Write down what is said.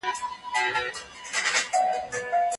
هغې وویل، "زه د ټولو څخه لرې یم."